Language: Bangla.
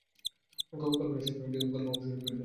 কল্পনাই সবসময় একটি গল্প আকর্ষণীয় করে তোলে।